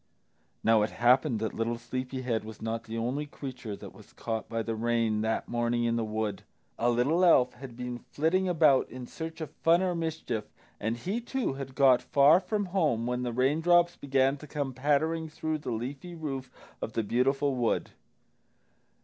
Now it happened that Sleepy head was not the only creature that was caught by the rain that morning in the wood. A little elf had been flitting about in search of fun or mischief, and he, too, had got far from home when the raindrops began to come pattering through the leafy roof of the beautiful wood.